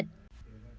thông tin đưa ra là